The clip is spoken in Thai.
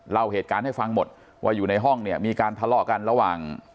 เล่าเหตุการณ์ให้ฟังหมดว่าอยู่ในห้องเนี่ยมีการทะเลาะกันระหว่าง